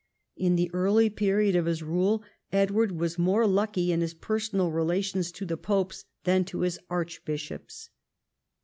In the early period of his rule Edward was more lucky in his personal relations to the popes than to his archbishops.